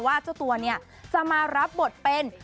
เจ้าตัวเนี่ยจะมารับบทเป็น